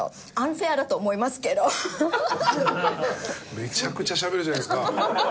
めちゃくちゃしゃべるじゃないですか。